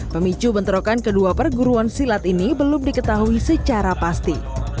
pemicu bentrokan kedua perguruan silat ini belum diketahui secara pasti